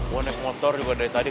mau naik motor juga dari tadi